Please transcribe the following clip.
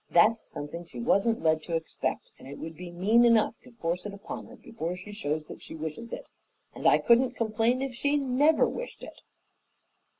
That's something she wasn't led to expect and it would be mean enough to force it upon her before she shows that she wishes it, and I couldn't complain if she NEVER wished it."